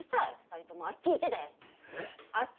２人ともあっち行っててえっ？